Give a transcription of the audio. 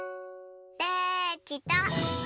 できた。